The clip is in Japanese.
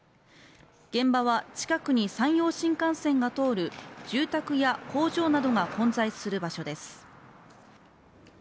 現場は近くに山陽新幹線が通る住宅や工場などが混在する場所です